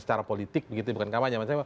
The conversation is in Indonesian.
secara politik bukan kampanye